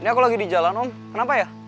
ini aku lagi di jalan om kenapa ya